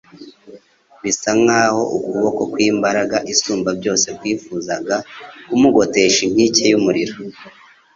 bisa nk'aho ukuboko kw'imbaraga isumba byose kwifuzaga kumugotesha inkike y'umuriro.